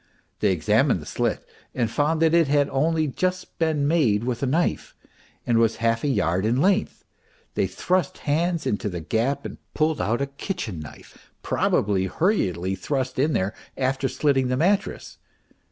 They examined the slit and found that it had only just been made with a knife and was half a yard in length ; they thrust hands into the gap and pulled out a kitchen knife, probably hurriedly thrust in there after slitting the mattress.